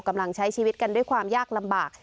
กำลังใช้ชีวิตกันด้วยความยากลำบาก